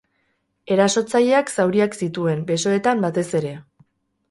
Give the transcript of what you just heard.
Erasotzaileak zauriak zituen, besoetan batez ere.